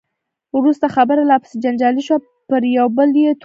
وروسته خبره لا پسې جنجالي شوه، پر یو بل یې تورونه ولګول.